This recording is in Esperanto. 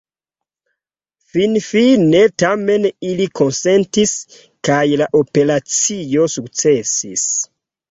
Finfine tamen ili konsentis, kaj la operacio sukcesis.